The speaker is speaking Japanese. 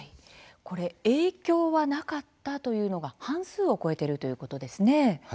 これ、影響はなかったというのが半数を超えているということですね。